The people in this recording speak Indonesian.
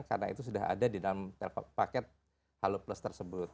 karena itu sudah ada di dalam paket halo plus tersebut